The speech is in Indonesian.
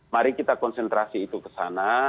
mari kita konsentrasi itu ke sana